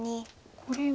これは。